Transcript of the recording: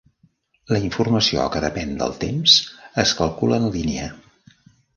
La informació que depèn del temps es calcula en línia.